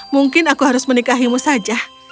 mungkin aku harus menikahimu saja